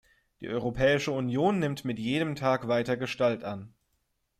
Die Europäische Union nimmt mit jedem Tag weiter Gestalt an.